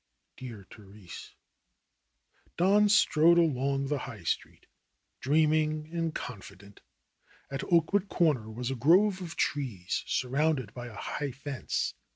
Dear Therese ! Don strode along the High Street, dreaming and con fident. At Oakwood Corner was a grove of trees, sur rounded by a high fence.